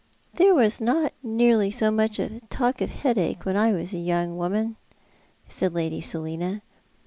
" Tiiere was not nearly so much talk of headache when I was a young woman," said Lady Selina.